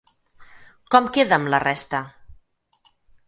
Com queda amb la resta?